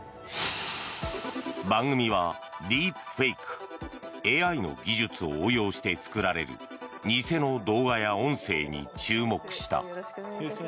番組は、ディープフェイクＡＩの技術を応用して作られる偽の動画や音声に注目した。